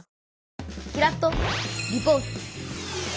キラッとリポート！